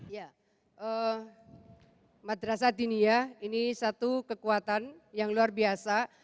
ya madrasah dinia ini satu kekuatan yang luar biasa